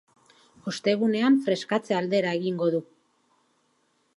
Ostegunean freskatze aldera egingo du.